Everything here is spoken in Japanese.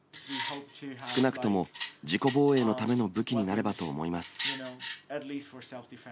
少なくとも、自己防衛のための武器になればと思います。